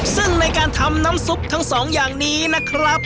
ซึ่งในการทำน้ำซุปทั้งสองอย่างนี้นะครับ